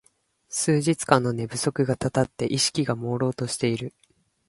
数日間の寝不足がたたって意識がもうろうとしている